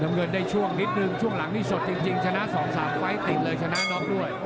เงินได้ช่วงนิดนึงช่วงหลังนี่สดจริงชนะ๒๓ไฟล์ติดเลยชนะน็อกด้วย